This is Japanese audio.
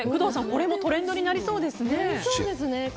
これもトレンドになりそうですね。